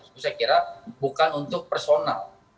itu saya kira bukan untuk personal